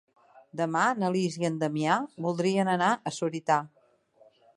Demà na Lis i en Damià voldrien anar a Sorita.